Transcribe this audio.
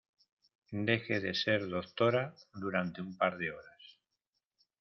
deje de ser doctora durante un par de horas